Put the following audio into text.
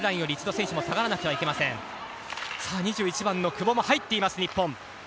２１番の久保も入っています日本。